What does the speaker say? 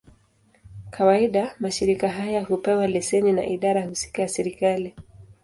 Kawaida, mashirika haya hupewa leseni na idara husika ya serikali.